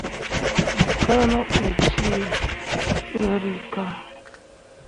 Mo kaa ne ɓu cee ɓǝrrikah.